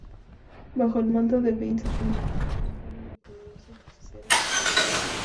Bajo el manto de Bane se convierte en una joven y poderosa hechicera Sith.